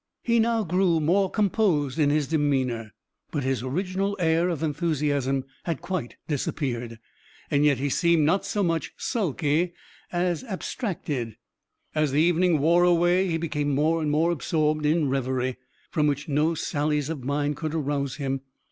He now grew more composed in his demeanor; but his original air of enthusiasm had quite disappeared. Yet he seemed not so much sulky as abstracted. As the evening wore away he became more and more absorbed in revery, from which no sallies of mine could arouse him.